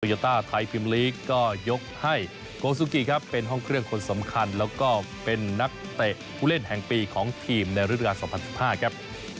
โยต้าไทยพิมลีกก็ยกให้โกสุกิครับเป็นห้องเครื่องคนสำคัญแล้วก็เป็นนักเตะผู้เล่นแห่งปีของทีมในฤดูการ๒๐๑๕ครับ